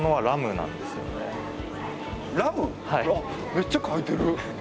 めっちゃ書いてる。